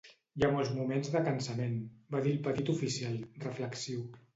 "Hi ha molts moments de cansament", va dir el petit oficial, reflexiu.